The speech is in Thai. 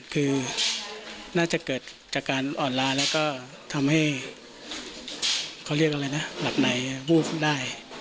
คือน่าจะเกิดจากการอ่อนล้าแล้วก็ทำให้เขาเรียกอะไรนะหลับในพูดได้